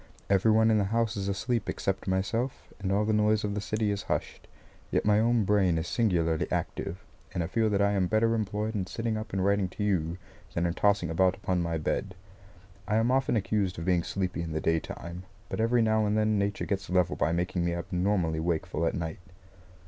Every one in the house is asleep except myself; and all the noise of the city is hushed. Yet my own brain is singularly active, and I feel that I am better employed in sitting up and writing to you, than in tossing about upon my bed. I am often accused of being sleepy in the daytime, but every now and then Nature gets level by making me abnormally wakeful at night.